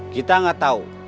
kita gak tau